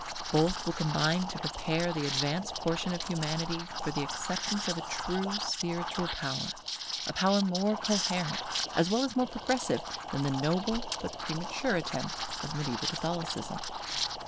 Both will combine to prepare the advanced portion of humanity for the acceptance of a true spiritual power, a power more coherent, as well as more progressive, than the noble but premature attempt of mediaeval Catholicism.